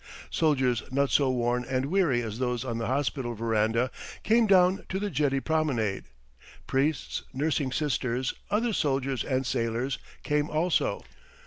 Soldiers not so worn and weary as those on the hospital veranda came down to the jetty promenade. Priests, nursing sisters, other soldiers and sailors came also.